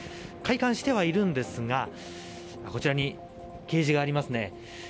開館してはいるんですがこちらに掲示がありますね。